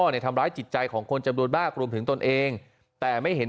ในทำร้ายจิตใจของคนจำนวนมากรวมถึงตนเองแต่ไม่เห็น